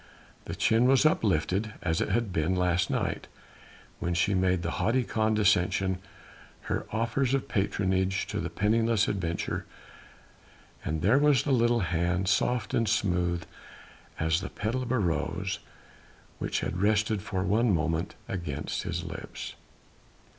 The chin was uplifted as it had been last night, when she made with haughty condescension her offers of patronage to the penniless adventurer, and there was the little hand soft and smooth as the petal of a rose which had rested for one moment against his lips.